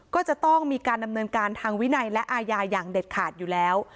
ก็จะต้องมีการดำเนินการทางวินัยและอาญาอย่างเด็ดขาดอยู่แล้ว